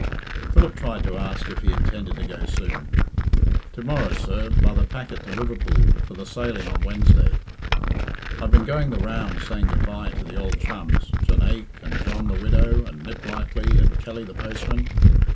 Philip tried to ask if he intended to go soon. "To morrow, sir, by the packet to Liverpool, for the sailing on Wednesday. I've been going the rounds saying 'goodbye' to the ould chums Jonaique, and John the Widow, and Niplightly, and Kelly the postman.